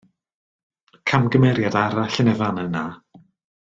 Camgymeriad arall yn y fan yna.